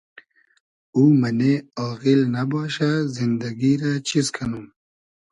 او مئنې آغیل نئباشۂ زیندئگی رۂ چیز کئنوم